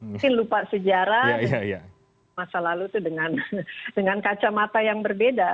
mungkin lupa sejarah masa lalu itu dengan kacamata yang berbeda